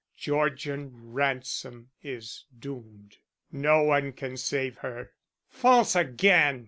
Georgian Ransom is doomed; no one can save her." "False again!"